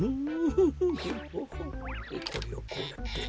これをこうやって。